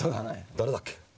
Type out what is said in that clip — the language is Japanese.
誰だっけ。